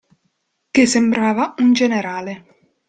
Che sembrava un generale.